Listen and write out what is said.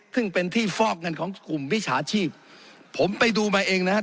ซึ่งเป็นที่ฟอกเงินของกลุ่มวิชาชีพผมไปดูมาเองนะครับ